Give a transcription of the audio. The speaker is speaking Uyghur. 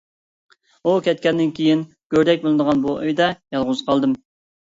ئۇ كەتكەندىن كېيىن گۆردەك بىلىنىدىغان بۇ ئۆيدە يالغۇز قالدىم.